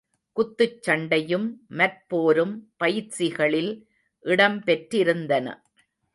குத்துச் சண்டையும் மற்போரும் பயிற்சிகளில் இடம் பெற்றிருந்தன.